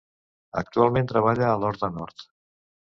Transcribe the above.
Actualment treballa a l'Horta Nord.